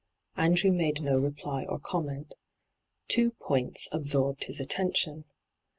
Andrew made no reply or comment Two points absorbed his attention.